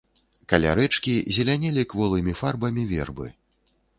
Каля рэчкі зелянелі кволымі фарбамі вербы.